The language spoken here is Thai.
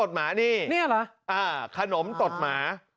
หมานี่เหรอขนมตดหมา